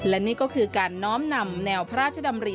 และนี่ก็คือการน้อมนำแนวพระราชดำริ